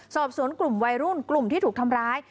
สอบสวนกลุ่มวัยรุ่นกลุ่มที่ถูกทำร้าย